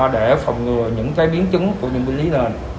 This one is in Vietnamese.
để phòng ngừa những biến chứng của những bệnh lý nền